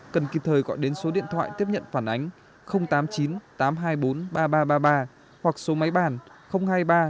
cần kịp thời gọi đến số điện thoại tiếp nhận phản ánh tám mươi chín tám trăm hai mươi bốn ba nghìn ba trăm ba mươi ba hoặc số máy bản hai mươi ba sáu nghìn ba trăm sáu mươi hai bốn nghìn một trăm năm mươi bốn